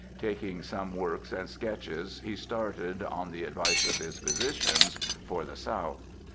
Taking some works and sketches he started, on the advice of his physicians, for the south.